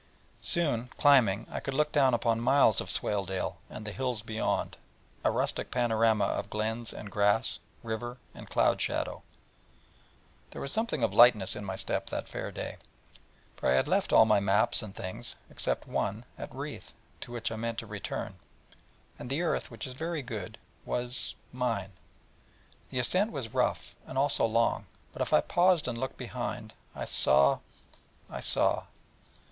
Soon, climbing, I could look down upon miles of Swaledale and the hills beyond, a rustic panorama of glens and grass, river and cloudshadow, and there was something of lightness in my step that fair day, for I had left all my maps and things, except one, at Reeth, to which I meant to return, and the earth, which is very good, was mine. The ascent was rough, and also long: but if I paused and looked behind I saw, I saw.